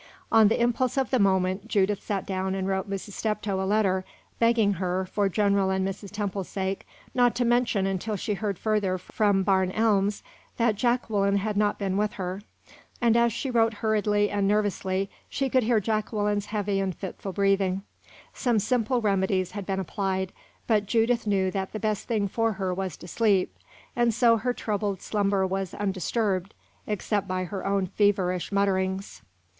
On the impulse of the moment, Judith sat down and wrote Mrs. Steptoe a letter, begging her, for General and Mrs. Temple's sake, not to mention until she heard further from Barn Elms, that Jacqueline had not been with her; and as she wrote hurriedly and nervously, she could hear Jacqueline's heavy and fitful breathing. Some simple remedies had been applied, but Judith knew that the best thing for her was to sleep, and so her troubled slumber was undisturbed except by her own feverish mutterings.